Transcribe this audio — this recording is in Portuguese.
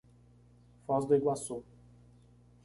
Foz do Iguaçu